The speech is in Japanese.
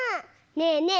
ねえねえ